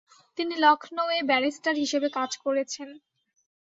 তিনি লখনৌয়ে ব্যারিস্টার হিসেবে কাজ করেছেন।